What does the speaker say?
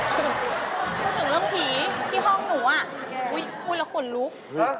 ต้องถึงเรื่องผีที่ห้องหนูช่วยด้วยโหยคุณละขันลุก